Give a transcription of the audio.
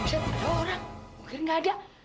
masih ada orang mungkin gak ada